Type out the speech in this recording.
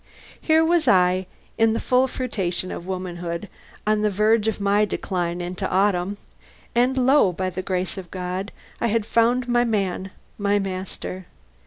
Here was I, in the full fruition of womanhood, on the verge of my decline into autumn, and lo! by the grace of God, I had found my man, my master.